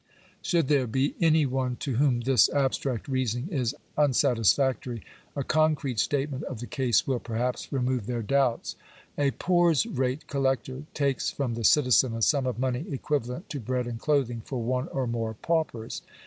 Should there be any to whom this abstract reasoning is unsatisfactory, a concrete statement of the case will, perhaps, remove their doubts. A poors' rate collector takes from the citizen a sum of money equivalent to bread and clothing for one or more paupers.